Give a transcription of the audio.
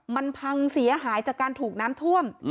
มันพังเสียหายจากการถูกน้ำท่วม